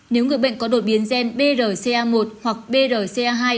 nếu người bệnh có đột biến gen brca một hoặc brca hai